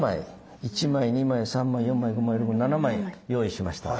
１枚２枚３枚４枚５枚６枚７枚用意しました。